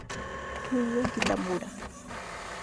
Kunio Kitamura